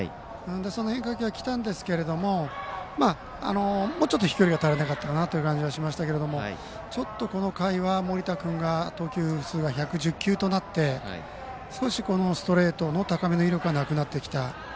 その変化球がきたんですけどもうちょっと飛距離が足らなかったなという感じがしましたけど、この回は盛田君が投球数が１１０球となって少しストレートの高めの威力がなくなってきた。